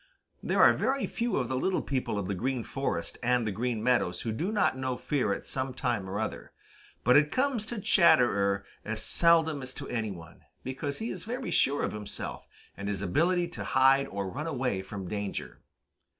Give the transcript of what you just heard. There are very few of the little people of the Green Forest and the Green Meadows who do not know fear at some time or other, but it comes to Chatterer as seldom as to any one, because he is very sure of himself and his ability to hide or run away from danger.